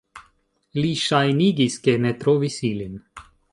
Li ŝajnigis, ke ne trovis ilin.